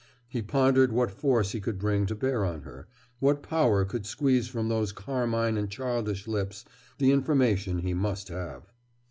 He pondered what force he could bring to bear on her, what power could squeeze from those carmine and childish lips the information he must have.